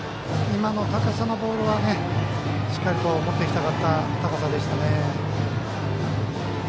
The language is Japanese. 今の高さのボールはしっかり持っていきたかった高さでしたね。